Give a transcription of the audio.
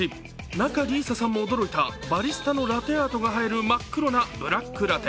仲里依紗さんも驚いたバリスタのラテアートが映える真っ黒なブラックラテ。